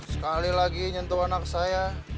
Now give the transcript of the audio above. sekali lagi nyentuh anak saya